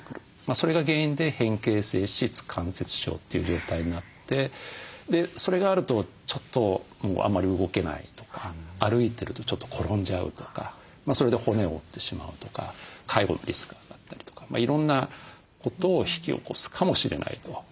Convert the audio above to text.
それが原因で変形性膝関節症という状態になってそれがあるとちょっとあんまり動けないとか歩いてるとちょっと転んじゃうとかそれで骨を折ってしまうとか介護のリスクが上がったりとかいろんなことを引き起こすかもしれないと。